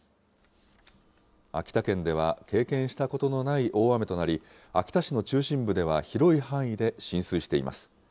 秋田県では経験したことのない大雨となり、秋田市の中心部では広い範囲で浸水しています。